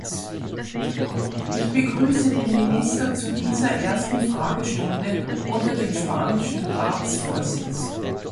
Ich begrüße den Minister zu dieser ersten Fragestunde unter dem spanischen Ratsvorsitz.